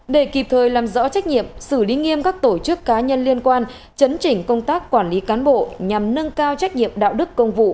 để kịp thời làm rõ trách nhiệm xử lý nghiêm các tổ chức cá nhân liên quan chấn chỉnh công tác quản lý cán bộ nhằm nâng cao trách nhiệm đạo đức công vụ